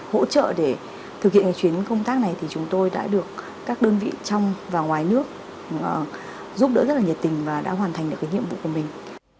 hỗ trợ để thực hiện cái chuyến công tác này thì chúng tôi đã được các đơn vị trong và ngoài nước giúp đỡ rất là nhiệt tình và đã hoàn thành được cái nhiệm vụ của mình